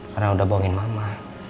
karena udah bohongin mama